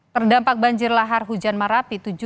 terdampak banjir lahar hujan marapi